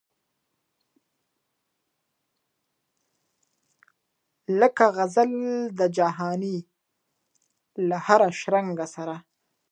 لکه غزل د جهاني له هره شرنګه سره